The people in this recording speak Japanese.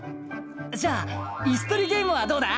じゃあイスとりゲームはどうだ？